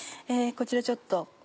こちらちょっと。